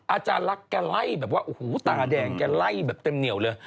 อาจารย์ลักษณ์แกไล่แบบว่าโอ้โหตาแดงแกไล่แบบเต็มเหนียวเลย